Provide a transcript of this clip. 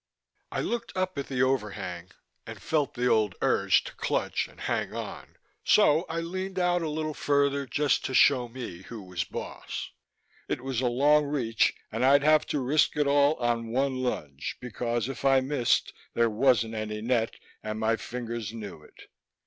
I looked up at the overhang ... and felt the old urge to clutch and hang on. So I leaned outward a little further, just to show me who was boss. It was a long reach, and I'd have to risk it all on one lunge because, if I missed, there wasn't any net, and my fingers knew it.